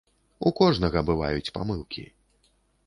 У кожнага бываюць памылкі.